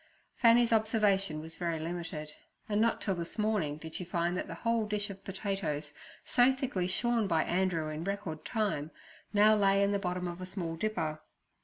Fanny's observation was very limited, and not till this morning did she find that the whole dish of potatoes so thickly shorn by Andrew in record time, now lay in the bottom of a small dipper.